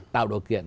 tạo đồ kiện